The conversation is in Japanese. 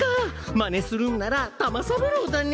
マネするんならたまさぶろうだね！